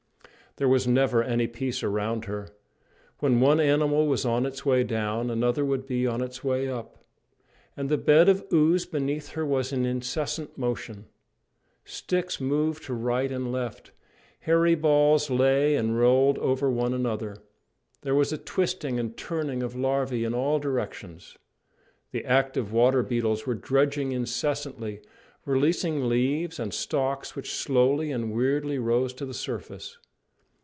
There was never any peace around her. When one animal was on its way down, another would be on its way up. And the bed of ooze beneath her was in incessant motion. Sticks moved to right and left; hairy balls lay and rolled over one another; there was a twisting and turning of larvae in all directions. The active water beetles were dredging incessantly, releasing leaves and stalks which slowly and weirdly rose to the surface.